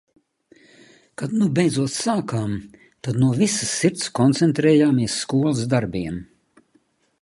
Kad nu beidzot sākām, tad no visas sirds koncentrējāmies skolas darbiem.